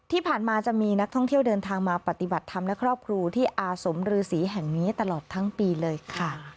ที่ผ่านมาจะมีนักท่องเที่ยวเดินทางมาปฏิบัติธรรมและครอบครัวที่อาสมฤษีแห่งนี้ตลอดทั้งปีเลยค่ะ